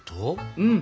うん。